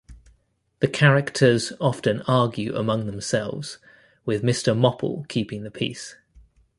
The characters often argue among themselves, with Mr Mopple keeping the peace.